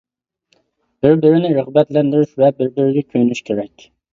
بىر-بىرىنى رىغبەتلەندۈرۈش ۋە بىر-بىرىگە كۆيۈنۈش كېرەك.